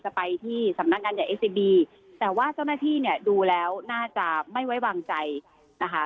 ไปที่สำนักงานใหญ่เอสซีบีแต่ว่าเจ้าหน้าที่เนี่ยดูแล้วน่าจะไม่ไว้วางใจนะคะ